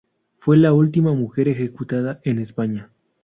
Fue la última mujer ejecutada en España.